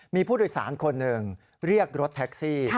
มีผู้โดยสารคนหนึ่งเรียกรถแท็กซี่